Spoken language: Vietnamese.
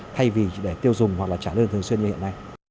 thay vì để tiêu dùng hoặc là trả lương thường xuyên như hiện nay